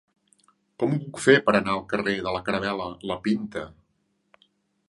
Com ho puc fer per anar al carrer de la Caravel·la La Pinta?